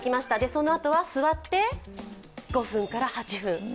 そのあとは座って５分から８分。